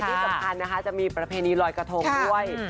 ที่สำคัญนะคะจะมีประเพณีลอยกระทงด้วย